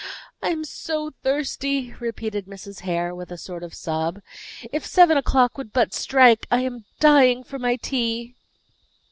"I am so thirsty!" repeated Mrs. Hare, with a sort of sob. "If seven o'clock would but strike! I am dying for my tea."